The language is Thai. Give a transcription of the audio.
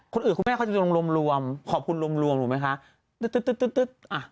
คนอื่นคุณแม่เขาจะลงรวมขอบคุณลงรวมหนูไหมคะ